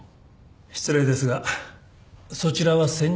失礼ですがそちらは先日確か。